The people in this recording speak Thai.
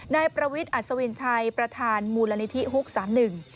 ในประวิดอัศวินไทยประธานมูลณิธิฮุกส์สามหนึ่ง